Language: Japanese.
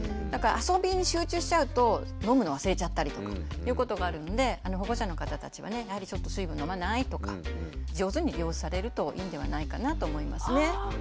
だから遊びに集中しちゃうと飲むの忘れちゃったりとかいうことがあるので保護者の方たちはねやはりちょっと「水分飲まない？」とか上手に利用されるといいんではないかなと思いますね。